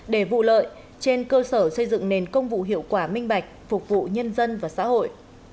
để vụ lợi trên cơ sở xây dựng nền công vụ hiệu quả minh bạch phục vụ nhân dân và xã hội